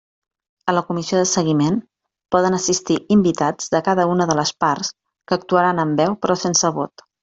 A la Comissió de Seguiment poden assistir invitats de cada una de les parts, que actuaran amb veu però sense vot.